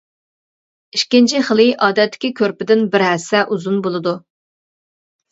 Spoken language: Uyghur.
ئىككىنچى خىلى ئادەتتىكى كۆرپىدىن بىر ھەسسە ئۇزۇن بولىدۇ.